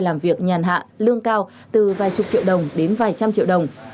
làm việc nhàn hạ lương cao từ vài chục triệu đồng đến vài trăm triệu đồng